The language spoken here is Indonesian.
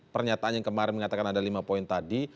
pernyataan yang kemarin mengatakan ada lima poin tadi